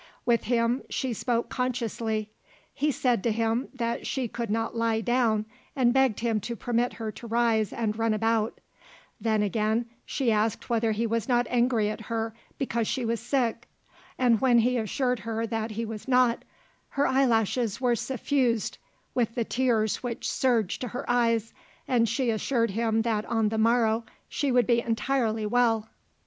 With him she spoke consciously. She said to him that she could not lie down and begged him to permit her to rise and run about; then again she asked whether he was not angry at her because she was sick, and when he assured her that he was not, her eyelashes were suffused with the tears which surged to her eyes, and she assured him that on the morrow she would be entirely well.